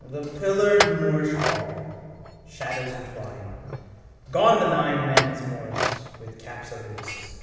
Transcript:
The pillared Moorish hall, shadows entwined. Gone the nine men's morrice with caps of indices.